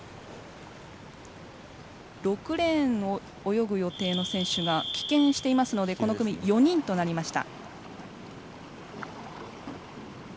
６レーンを泳ぐ予定の選手が棄権していますのでこの組４人となりました。